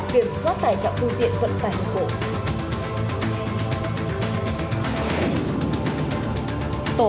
kiểm soát tài trọng phương tiện vận tài hợp cổ